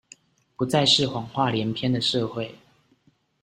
不再是謊話連篇的社會